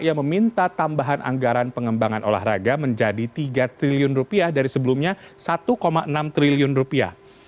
ia meminta tambahan anggaran pengembangan olahraga menjadi tiga triliun rupiah dari sebelumnya satu enam triliun rupiah